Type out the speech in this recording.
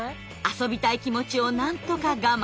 遊びたい気持ちをなんとか我慢。